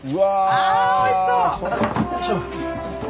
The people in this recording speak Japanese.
あおいしそう！